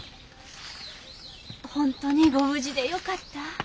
本当にご無事でよかった。